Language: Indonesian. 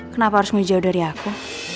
kenapa harus mau jauh dari aku